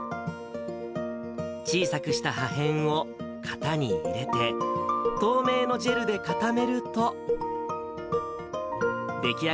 小さくした破片を型に入れて、透明のジェルで固めると、出来上